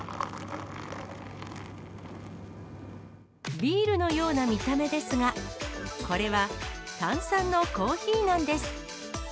ビールのような見た目ですが、これは炭酸のコーヒーなんです。